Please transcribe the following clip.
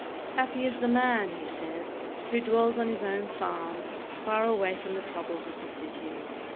"Happy is the man," he says, "who dwells on his own farm, far away from the troubles of the city.